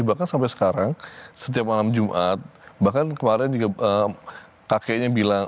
bahkan sampai sekarang setiap malam jumat bahkan kemarin juga kakeknya bilang